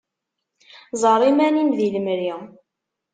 Ẓer iman-im di lemri.